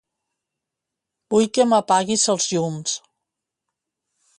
Vull que m'apaguis els llums.